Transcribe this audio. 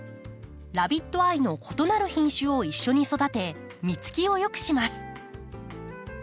ラビットアイの異なる品種を一緒に育て実つきを良くします。